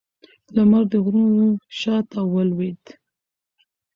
لمر د غرونو شا ته ولوېد